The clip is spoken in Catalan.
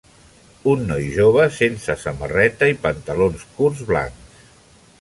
Un noi jove sense samarreta i pantalons curts blancs.